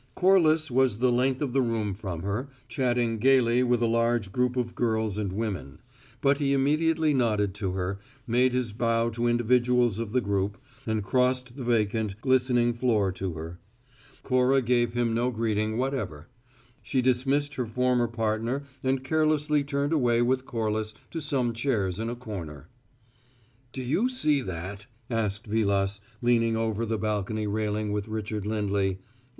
Corliss was the length of the room from her, chatting gayly with a large group of girls and women; but he immediately nodded to her, made his bow to individuals of the group, and crossed the vacant, glistening floor to her. Cora gave him no greeting whatever; she dismissed her former partner and carelessly turned away with Corliss to some chairs in a corner. "Do you see that?" asked Vilas, leaning over the balcony railing with Richard Lindley.